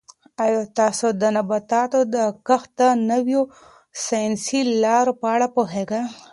آیا تاسو د نباتاتو د کښت د نویو ساینسي لارو په اړه پوهېږئ؟